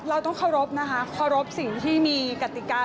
เราต้องเคารพนะคะเคารพสิ่งที่มีกติกา